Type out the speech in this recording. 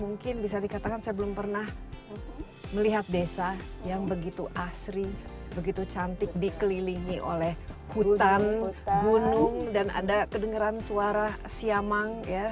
mungkin bisa dikatakan saya belum pernah melihat desa yang begitu asri begitu cantik dikelilingi oleh hutan gunung dan ada kedengeran suara siamang